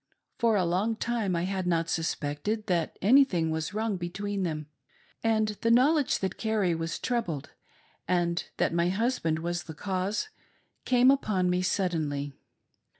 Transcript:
For a long time I had not sus pected that anything was wrong between them, and the knowl edge that Carrie was troubled, and that my husband was the cause, came upon me suddenly.